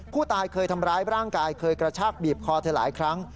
ผู้ตายเคยทำร้ายร่างกายเคยกระชากบีบคอเธอหลายครั้ง